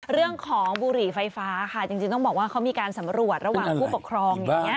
เรื่องของบุหรี่ไฟฟ้าค่ะจริงต้องบอกว่าเขามีการสำรวจระหว่างผู้ปกครองอย่างนี้